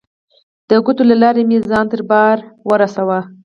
د کوټو له لارې مې ځان تر باره ورساوه.